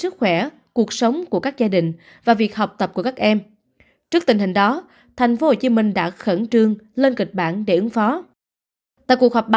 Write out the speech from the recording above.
thưa quý vị và các bạn diễn biến dịch bệnh đang hết sức phức tạp